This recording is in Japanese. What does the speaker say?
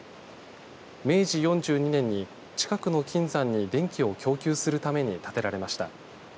明治４２年に近くの金山に電気を供給するために建てられました。